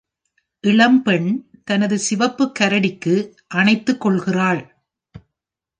இளம்பெண் தனது சிவப்பு கரடிக்கு அணைத்துக்கொள்கிறாள்.